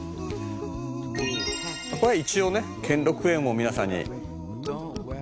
「これは一応ね兼六園を皆さんに」